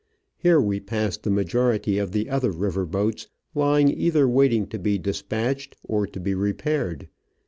Here we passed the majority of the other river boats, lying either waiting to be despatched or to be repaired.